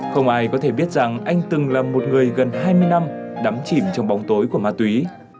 không ai có thể biết rằng anh từng là một người gần hai mươi năm đắm chìm trong bóng tối của ma túy